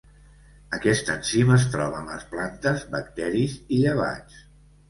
Aquest enzim es troba en les plantes, bacteris i llevats.